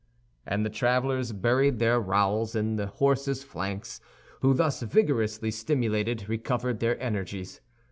And the travelers buried their rowels in their horses' flanks, who thus vigorously stimulated recovered their energies.